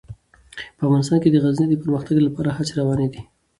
په افغانستان کې د غزني د پرمختګ لپاره هڅې روانې دي.